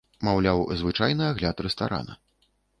Маўляў, звычайны агляд рэстарана.